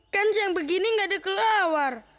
kan siang begini nggak ada keluar